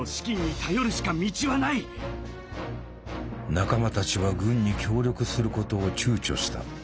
仲間たちは軍に協力することを躊躇した。